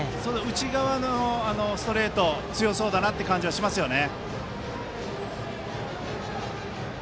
内側のストレート強そうな感じがしますね。